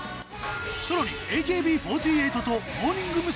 さらにＡＫＢ４８とモーニング娘。